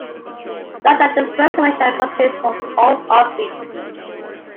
Note that the first measure consists of all offbeats.